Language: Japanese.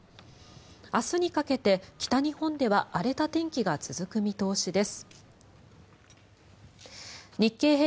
明日にかけて、北日本では荒れた天気が続く見通しです。